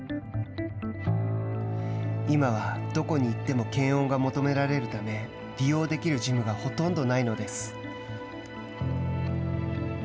今は、どこに行っても検温が求められるため利用できるジムがほとんどないのです。